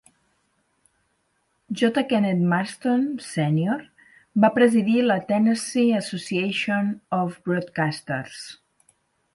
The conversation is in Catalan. J. Kenneth Marston, sènior, va presidir la Tennessee Association of Broadcasters.